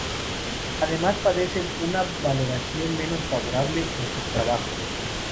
Además padecen una valoración menos favorable de sus trabajos.